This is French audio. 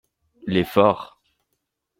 Les forts.